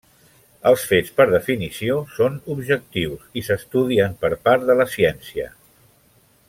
Els fets per definició són objectius i s'estudien per part de la ciència.